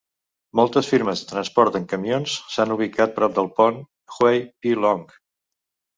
Moltes firmes de transport en camions s'han ubicat prop del pont Huey P. Long.